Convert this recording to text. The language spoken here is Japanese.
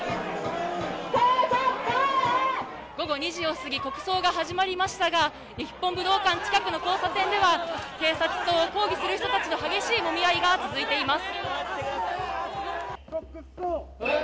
午後２時を過ぎ、国葬が始まりましたが、日本武道館近くの交差点では警察と抗議する人たちのもみ合いが続いています。